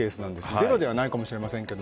ゼロではないかもしれませんが。